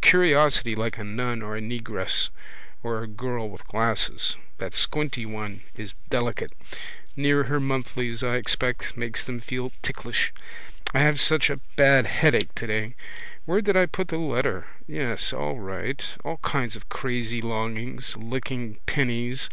Curiosity like a nun or a negress or a girl with glasses. That squinty one is delicate. Near her monthlies, I expect, makes them feel ticklish. I have such a bad headache today. Where did I put the letter? Yes, all right. All kinds of crazy longings. Licking pennies.